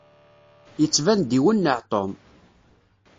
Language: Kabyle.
Yettban-d iwenneɛ Tom.